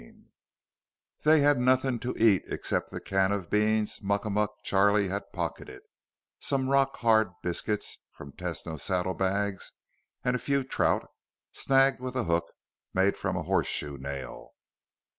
XVI They had nothing to eat except the can of beans Muckamuck Charlie had pocketed, some rock hard biscuits from Tesno's saddlebags, and a few trout snagged with a hook made from a horseshoe nail.